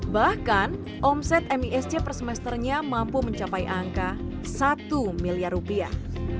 bahkan omset misc per semesternya mampu mencapai angka satu miliar rupiah